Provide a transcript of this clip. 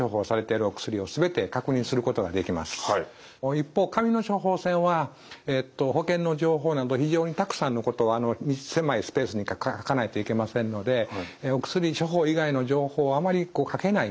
一方紙の処方箋は保険の情報など非常にたくさんのことをあの狭いスペースに書かないといけませんのでお薬処方以外の情報をあまり書けないんですね。